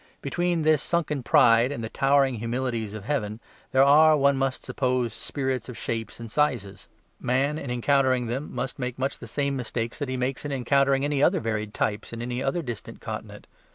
Between this sunken pride and the towering humilities of heaven there are, one must suppose, spirits of shapes and sizes. Man, in encountering them, must make much the same mistakes that he makes in encountering any other varied types in any other distant continent.